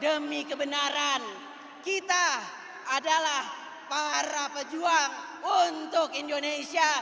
demi kebenaran kita adalah para pejuang untuk indonesia